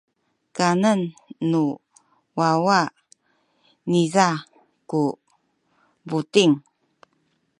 kanen nu wawa niza ku buting.